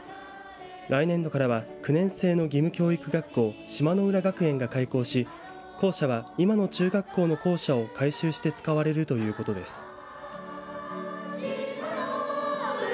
来年度から９年制の義務教育学校島野浦学園が開校し校舎は今の中学校の校舎を改修して使われるということです。